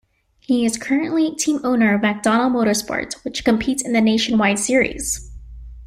He is currently team owner of MacDonald Motorsports, which competes in the Nationwide Series.